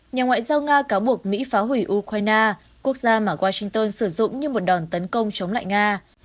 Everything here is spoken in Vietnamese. nhà ngoại giao nga cáo buộc mỹ phá hủy ukraine quốc gia mà washington sử dụng như một đòn tấn công chống lại nga